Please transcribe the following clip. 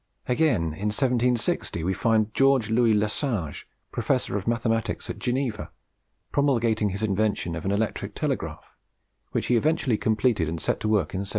Again, in 1760, we find George Louis Lesage, professor of mathematics at Geneva, promulgating his invention of an electric telegraph, which he eventually completed and set to work in 1774.